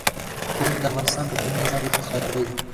قومونه د افغانستان د اقلیمي نظام یوه ښه ښکارندوی ده.